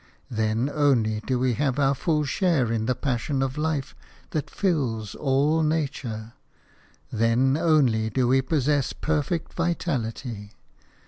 Then only do we have our full share in the passion of life that fills all nature; then only do we possess perfect vitality.